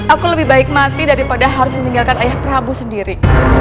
aku lebih baik mati daripada harus meninggalkan ayah prabu sendiri